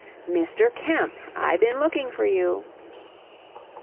"Mister Kemp! I been looking for you."